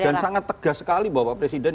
dan sangat tegas sekali bahwa pak presiden